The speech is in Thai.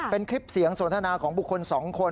เป็นคลิปเสียงสนทนาของบุคคล๒คน